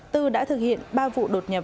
tư đã thực hiện ba vụ đột nhập